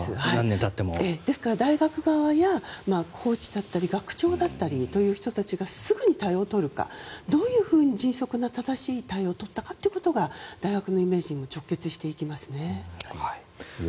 ですから、大学側やコーチだったり学長だったりという人がすぐに対応するかどういうふうに迅速な正しい対応をとったかが大学のイメージに直結していきますね。